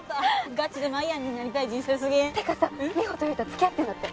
ガチでまいやんになりたい人生すぎん？ってかさミホとユウタ付き合ってんだって。